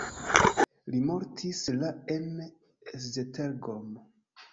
Li mortis la en Esztergom.